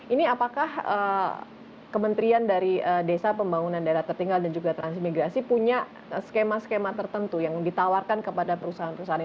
ini apakah kementerian dari desa pembangunan daerah tertinggal dan juga transmigrasi punya skema skema tertentu yang ditawarkan kepada perusahaan perusahaan ini